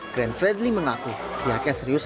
grand fredly mengaku pihaknya serius